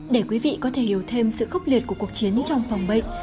để quý vị có thể hiểu thêm sự khốc liệt của cuộc chiến trong phòng bệnh